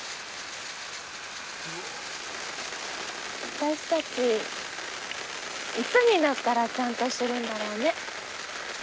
私たちいつになったらちゃんとするんだろうね。